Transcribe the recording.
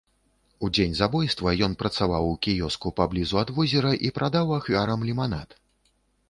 У дзень забойства ён працаваў у кіёску паблізу ад возера і прадаў ахвярам ліманад.